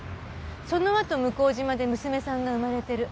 そのあと向島で娘さんが生まれてる。